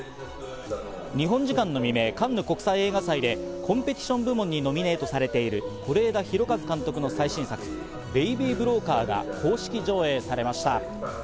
日本時間の未明、カンヌ国際映画祭でコンペティション部門にノミネートされている是枝裕和監督の最新作『ベイビー・ブローカー』が公式上映されました。